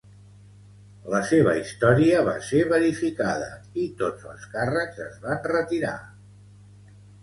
La seva història va ser verificada i tots els càrrecs es van retirar.